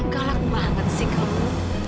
galak banget sih kamu